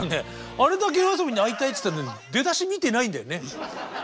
あれだけＹＯＡＳＯＢＩに会いたいって言ってたのに出だし見てないんだよね。